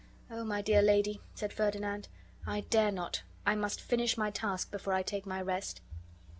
"O my dear lady," said Ferdinand, "I dare not. I must finish my task before I take my rest."